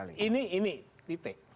ini ini titik